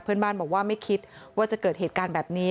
เพื่อนบ้านบอกว่าไม่คิดว่าจะเกิดเหตุการณ์แบบนี้